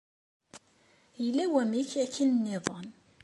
Yella wamek akken nniḍen.